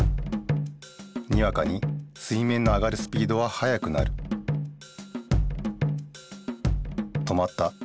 にわかに水面の上がるスピードは速くなる止まった。